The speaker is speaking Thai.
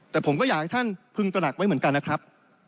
แต่ผมก็อยากให้ท่านพึงตระหนักไว้เหมือนกันนะครับ